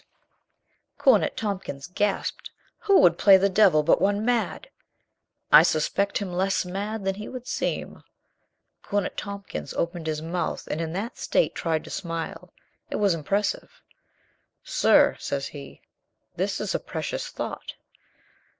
84 COLONEL GREATHEART Cornet Tompkins gasped. "Who would play the devil but one mad?" "I suspect him less mad than he would seem." Cornet Tompkins opened his mouth, and in that state tried to smile. It was impressive. "Sir," says he, "this is a precious thought."